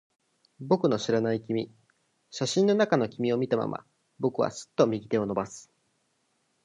僕の知らない君。写真の中の君を見たまま、僕はすっと右手を伸ばす。